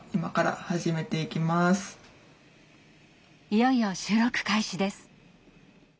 いよいよ収録開始です。